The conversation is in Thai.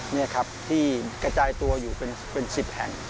นี่ครับที่กระจายตัวอยู่เป็น๑๐แห่ง